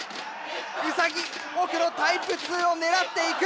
ウサギ奥のタイプ２を狙っていく！